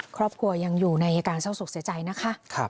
ครอบครัวยังอยู่ในอาการเศร้าศกเสียใจนะคะ